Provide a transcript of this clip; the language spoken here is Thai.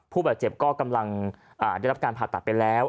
ผู้บาดเจ็บก็กำลังได้รับการผ่าตัดไปแล้ว